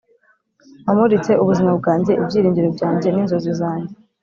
wamuritse ubuzima bwanjye, ibyiringiro byanjye, n'inzozi zanjye.